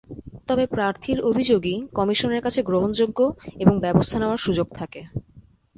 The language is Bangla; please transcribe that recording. তবে প্রার্থীর অভিযোগই কমিশনের কাছে গ্রহণযোগ্য এবং ব্যবস্থা নেওয়ার সুযোগ থাকে।